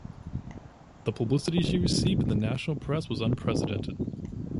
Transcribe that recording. The publicity she received in the national press was unprecedented.